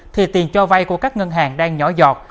thì tiền cho vay của các ngân hàng đang nhỏ giọt